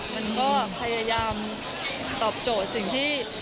มันก็พยายามตอบโจทย์สิ่งที่